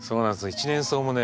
一年草もね